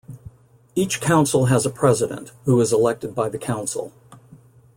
Each council has a president, who is elected by the council.